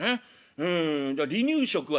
「うんじゃ離乳食は」。